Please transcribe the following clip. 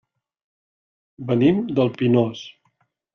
Venim del Pinós.